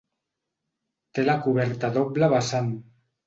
Té la coberta a doble vessant.